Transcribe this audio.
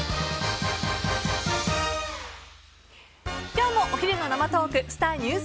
今日もお昼の生トークスター☆